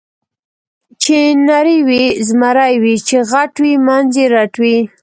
چې نری وي زمری وي، چې غټ وي منځ یې رټ وي.